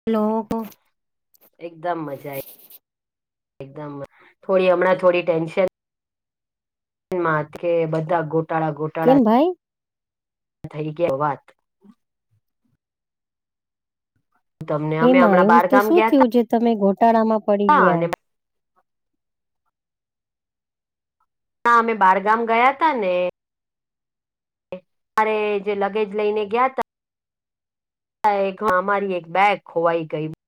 [unintelligible] એકદમ મજા આય એકદમ થોડી હમણાં થોડી ટેન્શન કે માત્રે બધા ગોટાળા કેમ ગોટાળા ભાઈ થઈ ગયા વાત તમને અમે એમાં હમણાં એવું બાર તે ગામ શું ગયા થયું જે તમે ગોટાળામાં પડી તા અને ગયા ના અમે બારગામ ગયા તા ને મારે જે લગેજ લઈને ગ્યાતા એક અમારી એક બેગ ખોવાઈ ગઈતી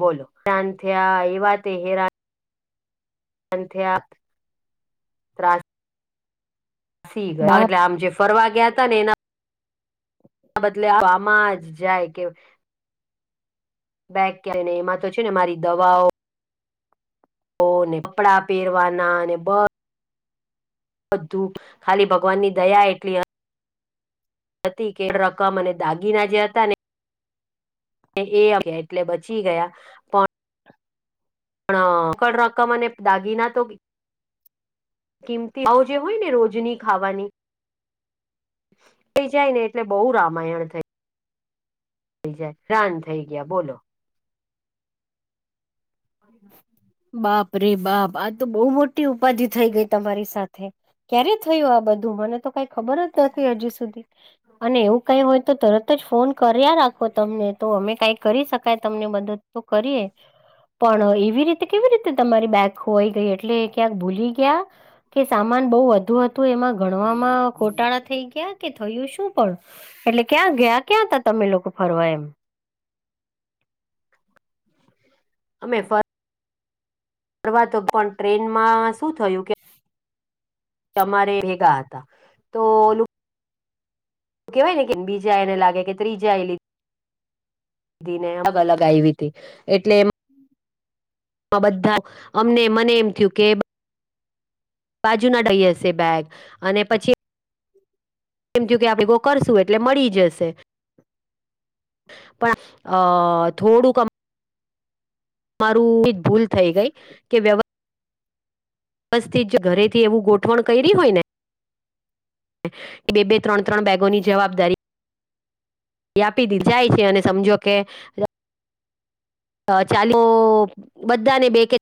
બોલો શાન થયા એ વાતે હેરા શાન થયાં પ્રાસ શી ગ બાપ એટલે આમ જે ફરવા ગયાતા ને એના બદલે આવામાં જ જાય કે બેગ કયાને એમાં તો છે ને મારી દવાઓ ઓ ને કપડા પહેરવાના અને બ બધું ખાલી ભગવાન ની દયા એટલી હતી કે રકમ અને દાગીના જે હતા ને અયા ગ્યા એટલે બચી ગયા પણ પણ કડ રકમ અને દાગીના તો કિંમતી આવ જે હોય ને રોજની ખાવાની કઈ જાય ને એટલે બહુ રામાયણ થાય થઈ જાય રાન થઈ ગયા બોલો [inaudible] બાપ રે બાપ આ તો બહુ મોટી ઉપાધિ થઇ ગઈ તમારી સાથે ક્યારે થયું આ બધું મને તો કઈ ખબર જ નથી હજી સુધી અને એવું કઈ હોય તો તરત તો જ ફોન કર્યા રાખો તમને તો અમે કઈ કરી શકાય તમને મદદ તો કરીએ પણ એવી રીતે કેવી રીતે તમારી બેગ ખોવાઈ ગઈ એટલે ક્યાંક ભૂલી ગયા કે સામાન બહુ વધુ હતું એમાં ગણવામાં ગોટાળા થઈ ગયા કે થયું શું પણ એટલે ક્યાં ગયા ક્યાં તા તમે લોકો ફરવા એમ અમે ફર ફરવાતો પણ ટ્રેનમાં શું થયું કે અમારે ભેગા હતા તો લુ કેહેવાય ને કે બીજા એને લાગે કે ત્રીજા એ લી ને અલગ અલગ આયવી તી એટલે એમ બધા અમને મને એમ થયું કે બાજુ ના ડાઈ હશે બેગ અને પછી [inaudible] એમ થયું કે આપણે કો કરશું એટલે મળી જશે પણ આ થોડુંક અમ મારું એક ભૂલ થઇ ગઈ કે વ્યવ વ્યવસ્થિત ઘરે થી એવું ગોઠવણ કયરી હોય ને એ બે -બે ત્રણ -ત્રણ બેગોની જવાબદારી આપી દે જાય છે અને સમજો કે ચાલો બધાને બે કે-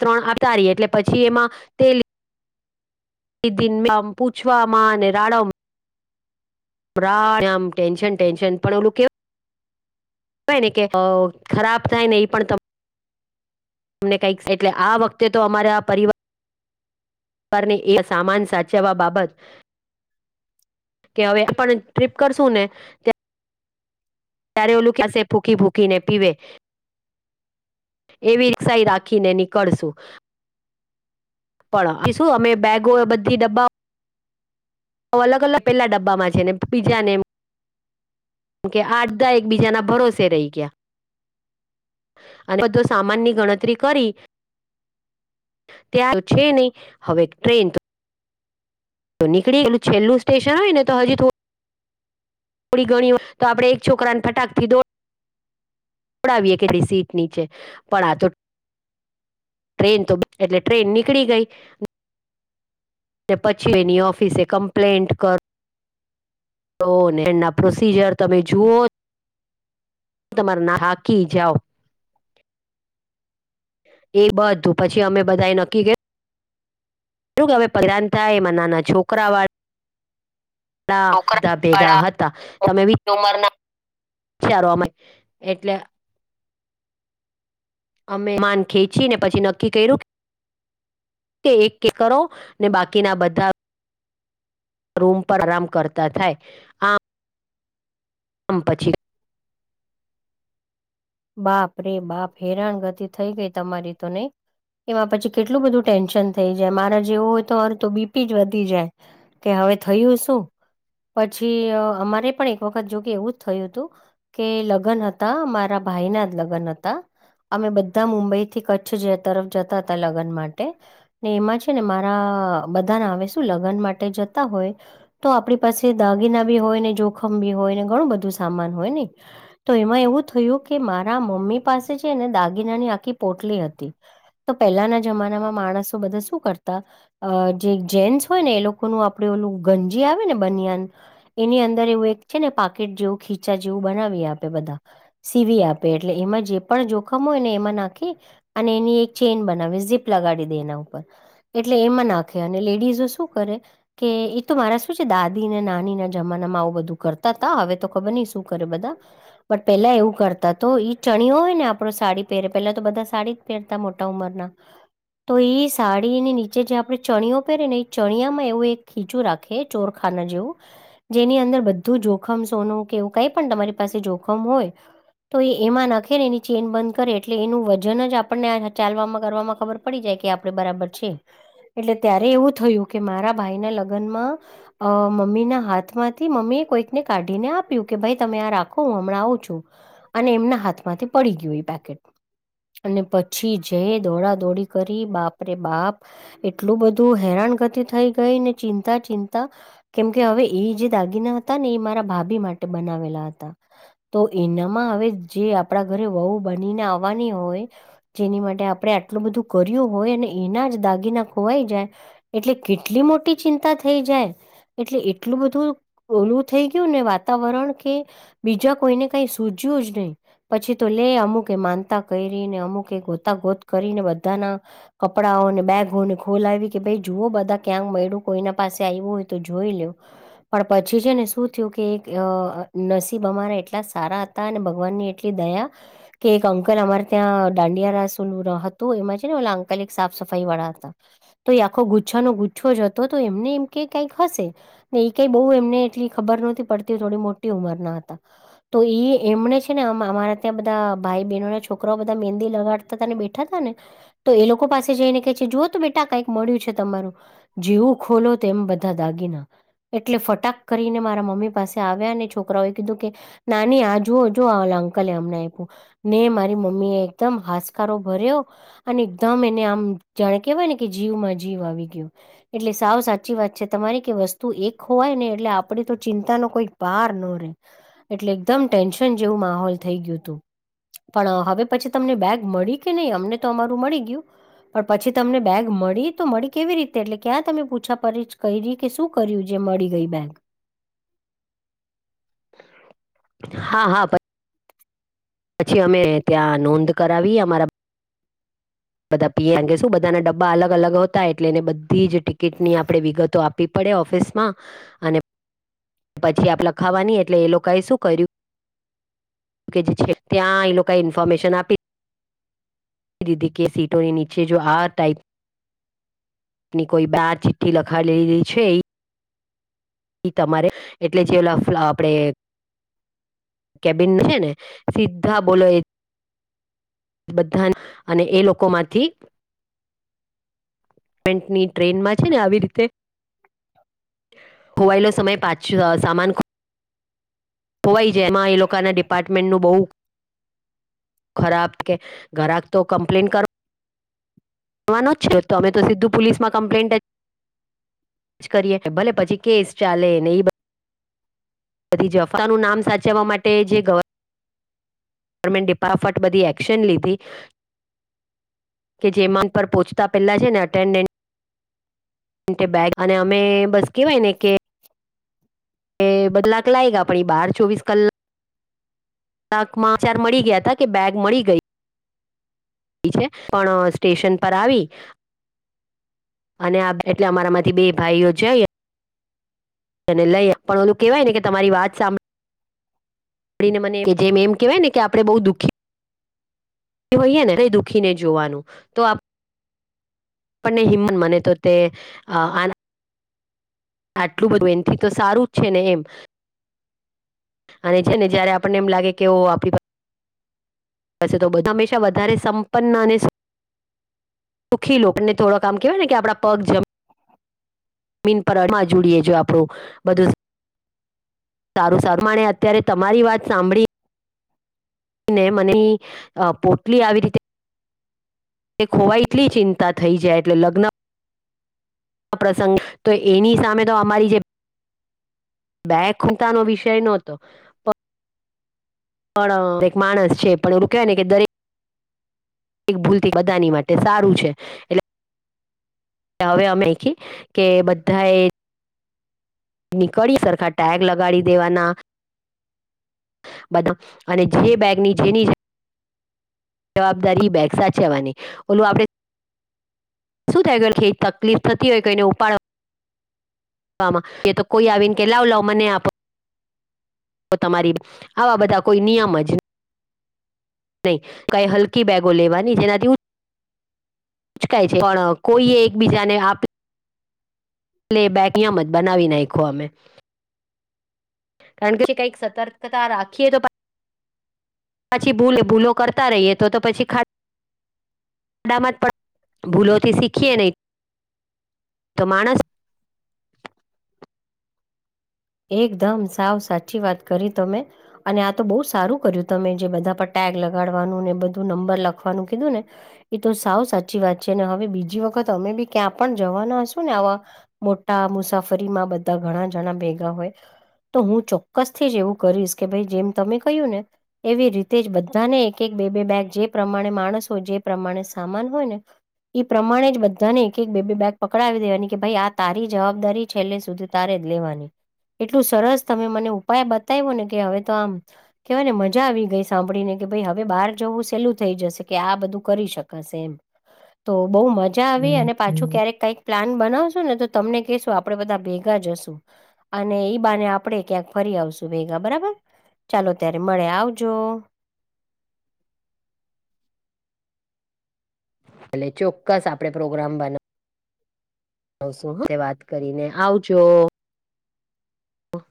ત્રણ આપતા રએ એટલે પછી એમાં, તે નમ પૂછવામાં અને રાડમ. આમ ટેન્શન ટેન્શન પણ એવલું કે ને કે ખરાબ થાય ને એ પણ તમને તમને એટલે આ વખતે તો પરિવાર ને સાચવવા બાબત. હવે આપ ટ્રીપ કરશું ને. ત્યારે ઓલું કસે ભૂકી ભૂકી ને પીવે. એવી રિકક્ષાઈ રાખીને નીકળશું. પણ શું અમે બેગો બધી ડબ્બા તો અલગ અલ પેલા ડબ્બમાં છે ને બીજા નેમ કે આઠધા એકબીજા ના ભરોસે રહી ગયા. અને બધો સામાન ની ગણતરી કરી. ત્યાં છે નહી, હવે ટ્રેન તો તો નીકળીે એલ છેલ્લું સ્ટેશન હોય ને તો હજી થડું થોડી ગણી હોય તોડણે એક છોકરા ને ફટાકથી દોડ ડાવીએ કે ર સીટ નીચે, પણ આ તો ટ્રેન તો એટલે ટ્રેન નીકળી ગઈ. ને પછી એની ઓફિસે કમ્પ્લેન્ટ કરો તો એના પ્રોસીજર તમે જુઓ. તમારે ના હાકી જાઓ. એ બધું પછી અમે બધા એ નક્કી કર્યું. કે હવે પૈરાન થાય એમાં નાના છોકરા વાળા ના દ [unintelligible] ભેગા હતા છોકરાવાળા તમે ઉંમરના વિચારવા એટલે અમે માન ખેંચી ને પછી નક્કી કર્યું. કે એક કે કરો, ને બાકીના બધા- પર આરામ કરતા થાય. આમ પછી બાપ રે બાપ હેરાન ગતિ થઈ ગઈ તમારી તો નહી? એમાં પછી કેટલું બધું ટેન્શન થઈ જાય મારે જેવું હોય તો મારું તો બીપી જ વધી જાય. કે હવે થયું શું, પછી અમારે પણ એક વખત જો કે એવું જ થયું હતું. કે લગ્ન હતા મારા ભાઈના જ લગ્ન હતા. અમે બધા મુંબઈ થી કચ્છ તરફ જતા હતા લગ્ન માટે. ને એમાં છે ને મારા બધાને આવે શું લગ્ન માટે જતા હોય. તો આપણી પાસે દાગીના બી હોય ને જોખમ બી હોય ને ઘણું બધું સામાન હોય ને. તો એમાં એવું થયું કે મારા મમ્મી પાસે છે ને દાગીનાની આખી પોટલી હતી. તો પહેલાના જમાનામાં માણસો બધા શું કરતા. અ જે જેન્ટસ હોય ને એ લોકોનું આપડે ઓલું ગંજી આવે ને બનિયાન. એની અંદર એવું એક છે ને પાકેટ જેવું ખીચા જેવું બનાવીએ આપે બધા. સીવી આપે એટલે એમાં જે પણ જોખમ હોય ને એમાં નાખી. અને એની એક ચેઇન બનાવી ઝીપ લગાડી દે એના ઉપર. એટલે એમાં નાખે અને કરે. કે એ તો મારા શું છે દાદીને નાની ના જમાનામાં આવું બધું કરતા હતા હવે તો ખબર નહ શું કરે બધા. બટ પેલા કરતા તો ઈ ચણ હોય ને આપડો સાડી પહેરે પેલા તો બધા સાડી જ પહેરતા મોટા ઉંમરના. તો એ સાડીની નીચે જે આપણે ચણિયો પહેરેને એ ચણિયામાં એવું એક ખીચું રાખે ચોરખાના જેવું. જેની અંદર બધું જોખમ સોનું કે એવું કઈ પણ તમારી પાસે જોખમ હોય. તો એ એમાં નાખે ને એની ચેન બંધ કરે એટલે એનું વજન જ આપણને ચાલવામાં કરવામાં ખબર પડ પડી જાય કે આપડે બરાબર છે, એટલે ત્યારે એવું થયું કે મારા ભાઈના લગ્નમાં અ મમ્મીના હાથમાંથી મમ્મી એ કોઈક ને કાઢીને આપ્યું કે ભાઈ તમે આ રાખો હું હમણાં આવું છું. અને એમના હાથમાંથી પડી ગયું એ પેકેટ. અને પછી જે દોડા દોડી કરી બાપરે બાપ. એટલું બધું હેરાનગતિ થઈ ગઈને ચિંતા ચિંતા. કેમકે હવે એ જે દાગીના હતા ને એ મારા ભાભી માટે બનાવેલા હતા. તો એનામાં હવે જે આપણા ઘરે વહુ બનીને આવવાની હોય. જેની માટે આપણે આટલું બધું કર્યું હોય અને એના જ દાગીના ખોવાઈ જાય. એટલે કેટલી મોટી ચિંતા થઈ જાય. એટલે એટલું બધું ઓલું થઈ ગયું ને વાતાવરણ કે બીજા કોઈને કઈ સૂજ પછી તો લે અમુક માનતા કયરીને અમુક એ ગોતા ગોત કરીને બધાના. કપડાઓને બેગોને ખોલાવી કે ભાઈ જુઓ બધા ક્યાંક મળડ્યું કોઈના પાસે આવ્યું હોય તો જોઈ લેવ. પણ પછી છે ને શું થયું કે એક નસીબ અમારા એટલા સારા હતા અને વન એટલી દયા. કે એક અંકલ અમારે ત્યાં દાંડિયા રાસુલ હતું એમાં છે ને ઓ અંકલ એક સાફ સફાઈવાળા હતા. તો એ આખો ગુચ્છાનો ગુચ્છો જ હતો તો એમને એમ કે કંઈક હશે. ને એ કઈ બહુ એમને એટલી ખબર નહોતી પડતી થોડી મોટી ઉંમરના હતા, તો એમને ને અમારા ત્યાં બધા ભાઈ બહેનોને છોકરાઓ બધા મેંદી લગાડતા હતા ને બેઠા હતા ને. તો એ લોકો પાસે જઈને કહે છે જુઓ તો કઈક મળ્યું છે તમારું. જેવું ખોલો તેમ બધા દાગીના. એટલે ફટાક કરીને મારા મમ્મી પાસે આવ્યા અને છોકરાઓ એ કીધું કે, નાની આ જુઓ જો અંકલે અમને આપ્યું ને મારી મમ્મી એ એકદમ હાશકારો ભર્યો. અને એકદમ એને આમ જાણે ને કે જીવમાં જીવ ગયો. એટલે સાવ સાચી વાત છે તમારી એક હોવાય ને એટલે આપડી તો ચિંતા નો કોઈ પાર નો રે, એટલે એકદમ ટેન્શન જેવું માહોલ થઈ ગયું હતું. પણ હવે પછી તમને બેગ મળી કે નહીં અમને તો અમારું મળી ગયું. પણ પછી તમને બેગ મળી તો મળી કેવી રીતે એટલે ક્યાં તમે પૂછા પરસ ક્યરી? કે શું કર્યું જે મળી ગઈ બેગ. હા હા પ પછી અમે ત્યાં નોંધ કરવી અમારા બધા પીએ અંગે શું બધાના ડબ્બા અલગ અલગ હતા એટલે એને બધી જ ટિકિટની આપે વિગતો આપ પી પડે ઓફિસમાં, અને પછી આપ લખાવાની એટલે એ લોકોએ શું કર્યું. કે જે છે ત્યાં એ લોકો ઇન્ફોર્મેશન આપી. દીદી કે સીટોની નીચે જો આ ટાઈપ ની કોઈ બાર ચિઠ્ઠી લખાવી લેલી છે એ. ઈ તમારે, એટલે જે આપડે કેબિન છે ને, સીધા બોલઈ બધા, અને એ લોકોમાંથી પેન્ટની ટ્રેનમાં છે ને આવી રીતે ખોવાયેલો સમયે પાછું આ સામાન ખો ખોવાઈ જાય એમાં એ લોકો ના ડિપાર્ટમેન્ટનું બો ખરાબ કે ઘરાક તો કમ્પ્લેન કર જવાનો જ છે તો અમે તો સીધું પોલીસમાં કમ્પ્લેન્ટ જ કરીએ ભલે પછી કેસ ચાલે ને ઈ બધી જફાનું નામ સાચવવા માટે જે ગવર ગવર્મેન્ટ ડીફટ બધી એક્શન લીધી. કે જેમા પર પહોચતા પહેલા છે ને અટેન્ડન્ટ કે બેગ અને અમે બસ કેવાય ને કે એ બદલાક લાયગા પછી બાર ચોવીસ કલ કલાક માં સમાચાર મળી ગયા તા કે બેગ મળી ગઈ. ઈ છે પણ અ સ્ટેશન પર આવી અને આપ એટલે અમારામાંથી બે ભાઈઓ જાયે આ એને લઈ પણ ઓલું કેહેવાય ને કે તમારી વાત સાંભળ ળી ને મને કે લીધે એમ કેવાયને કે આપણે બઉ દુઃખી તો હોઈએ ને [unintelligible] દુખીને જોવાનું તો આપ આપણને હિંમન મળે તો તે આન આટલું બધું એનથી તો સારું જ છે ને એમ. અવે છે ને જયારે આપણને એમ લાગે કે ઓ આપડી પાસે તો બધા હંમેશા વધારે સંપન્ન અને સુખી લોક ને થોડક આમ કેવાય ને કે આપડા પગ જમ જમીન પર અડવા જોડીએે જો આપણું બધું સારું સારું મને અત્યારે તમારી વાત સાંભળી ને મને આ પોટલી આવી રીતે ને ખોવાય એટલી ચિંતા થઈ જાય એટલે લગ્ન પ્રસંગ તો એની સામે તો અમારી જે બેગ ખૂતા નો વિષય નો હતો. પણ એક માણસ છે પણ એવું કેહવાય ને કે દરેક એક ભૂલથી બધાની માટે સારું છે એટલે ને હવે અમે એઈખી કે બધા એ નીકળયે સરખા ટેગ લગાડી દેવાના. બધા અને જે બેગની જેની જવાબદારી બેગ સાચવવાની ઓલું આપણે શું થાય કે કય તકલીફ થતી હોય કઈને ઉપાડ વામાં એ તો કોઈ આવીને કે લાવ લાવ મને આપો. તો તમારી આવા બધા કોઈ નિયમ જ હોય કઈ હલકી બેગો લેવાની જેનાથી હું ઊંચકાય છે પણ કોઈએ એકબીજાને આપ પ્લે બેેક એમ જ બનાવી નાયખો અમે કારણ કે કઈક સતર્કતા રાખીએ તો પા પછી ભલે ભૂલો કરતા રહીએ તો તો પછી તામાં પણ ભૂલોથી શીખીએ ને તો માણસ એકદમ સાવ સાચી વાત કરી તમે. અને આ તો બહુ સારું કર્યું તમે જે બધા પર ટેગ લગાડવાનું ને બધું નંબર લખવાનું કીધું ને ઈ તો સાવ સાચી વાત છે અને હવે બીજી વખત અમે બી ક્યાં પણ જવાના હશું ને આવા મોટા મુસાફરીમાં બધા ઘણા જણા ભેગા હોય તો હું ચોક્કસ થી જ એવું કરીશ કે ભાઈ જેમ તમે કહ્યું ને એવી રીતે જ બધાને એક એક બે બે બેગ જે પ્રમાણે માણસ હોય જે પ્રમાણે સામાન હોય ને ઈ પ્રમાણે જ બધાને એક એક બે બે બેગ પકડાવી દેવાની કે ભાઈ આ તારી જવાબદારી છેલ્લે સુધી તારે જ લેવાની એટલું સરસ તમે મને ઉપાય બતાયવો ને કે હવે તો આમ કહેવાય ને મજા આવી ગઈ સાંભળીને કે ભાઈ હવે બહાર જવું સહેલું થઈ જશે કે આ બધું કરી શકાશે એમ. તો બહુ મજા આવી અને પાછું ક્યારેક કંઈક પ્લાન બનાવશો ને તો તમને કે શું આપ આપડે બધા ભેગા જ અશું, આને ઈ બાને આપડે ક્યાંક ફરી આવશુ ભેગા બરાબર ચાલો ત્યારે મળે આવજો કાલે ચોક્કસ આપડે પ્રોગ્રામ બના વસુ વાત કરીને આવજો અહ